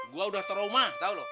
gue udah teromah tau lo